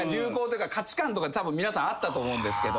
皆さんあったと思うんですけど。